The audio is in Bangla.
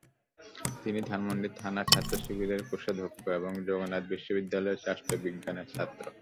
তিনি ধানমন্ডি থানা ছাত্রশিবিরের কোষাধ্যক্ষ এবং জগন্নাথ বিশ্ববিদ্যালয়ের রাষ্ট্রবিজ্ঞান বিভাগের ছাত্র।